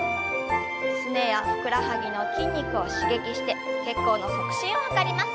すねやふくらはぎの筋肉を刺激して血行の促進を図ります。